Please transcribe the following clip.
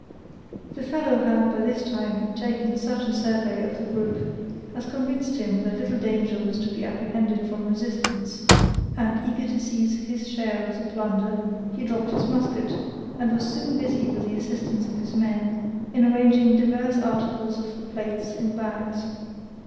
The fellow had by this time taken such a survey of the group, as convinced him that little danger was to be apprehended from resistance, and, eager to seize his share of the plunder, he dropped his musket, and was soon busy with the assistance of his men, in arranging divers articles of plate in bags.